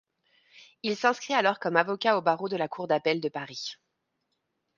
Il s'inscrit alors comme avocat au barreau de la cour d'appel de Paris.